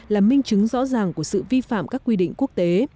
là minh chứng rõ ràng của sự vi phạm các quy định quốc tế